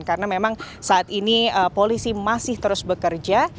karena memang saat ini polisi masih terus bekerja